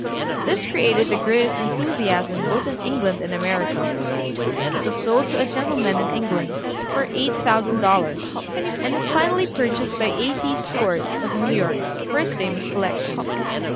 This created the greatest enthusiasm both in England and America. It was sold to a gentleman in England for eight thousand dollars, and was finally purchased by A. T. Stewart, of New York, for his famous collection.